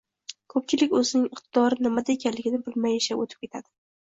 Ko‘pchilik o‘zining iqtidori nimada ekanligini bilmay yashab o‘tib ketadi.